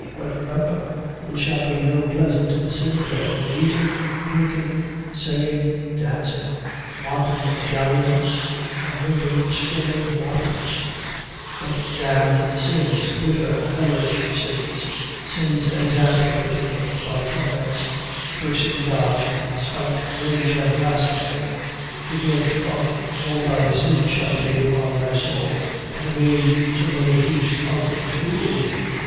But, remember, there shall be no pleasant sins there; no eating, drinking, singing, dancing; wanton dalliance, and drinking stolen waters; but damned sins, bitter, hellish sins; sins exasperated by torments; cursing God, spite, rage, and blasphemy. The guilt of all thy sins shall be laid upon thy soul, and be made so many heaps of fuel....